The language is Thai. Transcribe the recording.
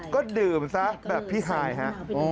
ก็ดื่มซะแบบพี่ฮายฮะ